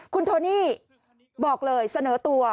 คุณโทนี่บอกเลยเสนอตัว